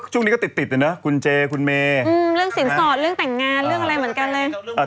ช่วงนี้ก็ติดนะคุณเจคุณเมย์เรื่องสินสอดเรื่องแต่งงานเรื่องอะไรเหมือนกันเลย